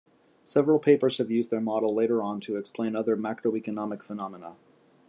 Several papers have used their model later on to explain other macroeconomic phenomena.